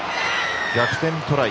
逆転トライ。